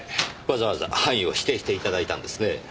わざわざ範囲を指定して頂いたんですねぇ。